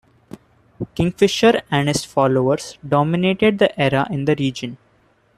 King Fisher and his followers dominated the era in the region.